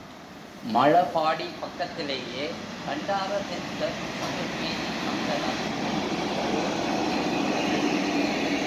மழபாடி பக்கத்திலேயே கண்டாரதித்த சதுர்வேதி மங்கலம் என்று ஓர் ஊர் இருக்கிறது.